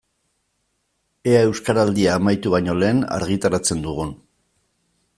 Ea Euskaraldia amaitu baino lehen argitaratzen dugun.